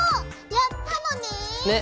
やったのね。ね！